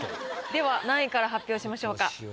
では何位から発表しましょうか？